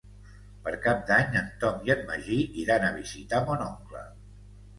Per Cap d'Any en Tom i en Magí iran a visitar mon oncle.